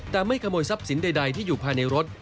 แต่ไม่ขโมยทรัพย์สินใดที่อยู่ภายในรถ